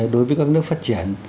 đối với các nước phát triển